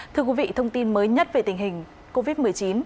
thưa quý vị thông tin mới nhất về tình hình covid một mươi chín